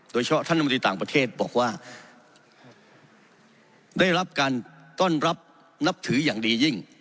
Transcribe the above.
ท่านรัฐมนตรีต่างประเทศบอกว่าได้รับการต้อนรับนับถืออย่างดียิ่ง